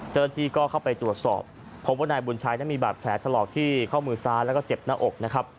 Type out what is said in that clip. เจอที่ก็เข้าไปตรวจสอบพบว่านายบุญชัยมีบาดแผลตลอดที่เข้ามือซ้าและเจ็บหน้าอก